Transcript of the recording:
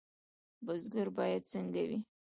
بزګر باید څنګه وي؟